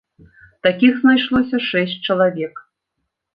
Такіх знайшлося шэсць чалавек.